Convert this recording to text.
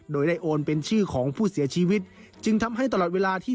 โดยได้โอนเป็นชื่อของผู้เสียชีวิตจึงทำให้ตลอดเวลาที่